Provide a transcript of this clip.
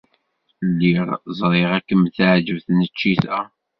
Lliɣ ẓriɣ ad kem-teɛjeb tneččit-a.